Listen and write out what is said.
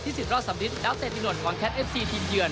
สิทธิ์รอดสำริทแล้วเตมีหล่นของแคทเอฟซีทีมเยือน